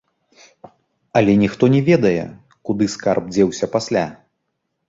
Але ніхто не ведае, куды скарб дзеўся пасля.